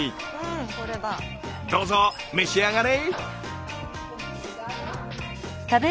どうぞ召し上がれ。